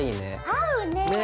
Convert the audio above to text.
合うね！ね！